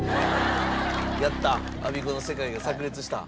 やったアビコの世界が炸裂した。